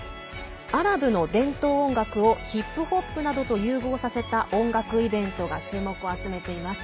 アラブの伝統音楽をヒップホップなどと融合させた音楽イベントが注目を集めています。